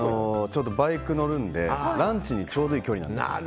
バイク乗るのでランチにちょうどいい距離なんです。